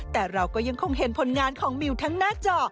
แต่เราก็ยังคงเห็นผลงานของมิวทั้งหน้าจอ